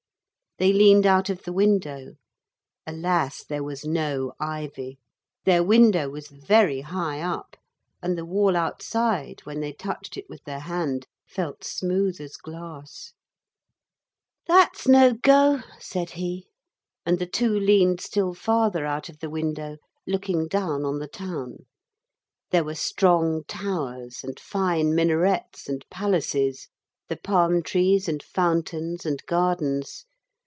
They leaned out of the window. Alas, there was no ivy. Their window was very high up, and the wall outside, when they touched it with their hand, felt smooth as glass. 'That's no go,' said he, and the two leaned still farther out of the window looking down on the town. There were strong towers and fine minarets and palaces, the palm trees and fountains and gardens.